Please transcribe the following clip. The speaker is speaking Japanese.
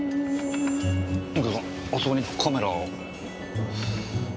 右京さんあそこにカメラ。